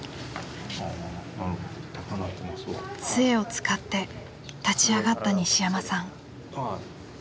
杖を使って立ち上がった西山さん。